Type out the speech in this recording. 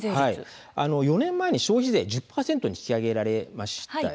４年前に消費税が１０％に引き上げられました。